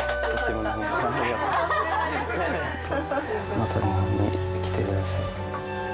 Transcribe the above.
「また日本に来てください」。